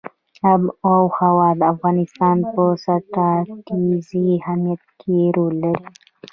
آب وهوا د افغانستان په ستراتیژیک اهمیت کې رول لري.